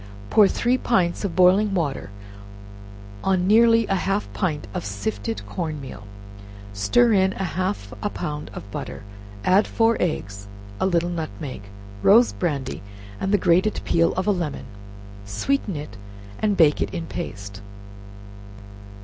Pour three pints of boiling milk on nearly half a pint of sifted corn meal, stir in half a pound of butter, add four eggs, a little nutmeg, rose brandy, and the grated peel of a lemon, sweeten it, and bake it in paste.